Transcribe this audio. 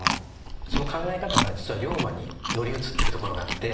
その考え方が実は龍馬に乗り移ってるところがあって。